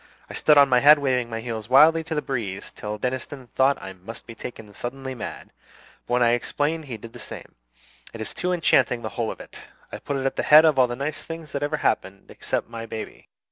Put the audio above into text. I stood on my head waving my heels wildly to the breeze till Deniston thought I must be taken suddenly mad; but when I explained he did the same. It is too enchanting, the whole of it. I put it at the head of all the nice things that ever happened, except my baby.